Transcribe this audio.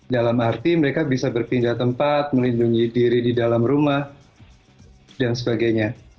dalam arti mereka bisa berpindah tempat melindungi diri di dalam rumah dan sebagainya